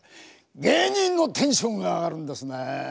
芸人のテンションが上がるんですね。